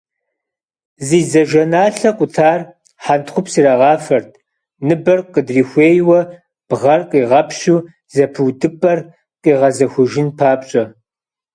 Зи дзажэналъэ къутар хьэнтхъупс ирагъафэрт ныбэр къыдрихуейуэ, бгъэр къигъэпщу зэпыудыпӏэр къигъэзахуэжын папщӏэ.